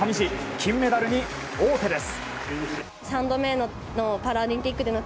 金メダルに王手です。